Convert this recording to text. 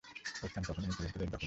ওই স্থান তখনো মুক্তিযোদ্ধাদের দখলে।